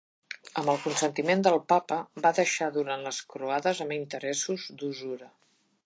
Amb el consentiment del Papa va deixar durant les croades amb interessos d'usura.